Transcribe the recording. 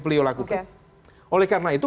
beliau lakukan oleh karena itu